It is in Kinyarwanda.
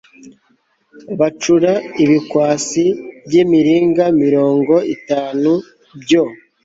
bacura ibikwasi by imiringa mirongo itanu byo